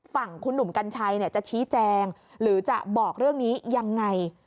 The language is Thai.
ฝั่งคุณหนุ่มกัญชัยจะชี้แจงหรือจะบอกเรื่องนี้ยังไง